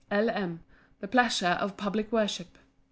L. M. The pleasure of public worship.